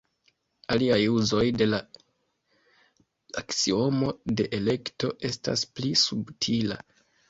Aliaj uzoj de la aksiomo de elekto estas pli subtila.